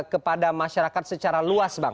kepada masyarakat secara luas bang